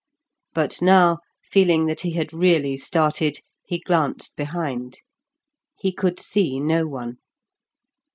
But now, feeling that he had really started, he glanced behind. He could see no one.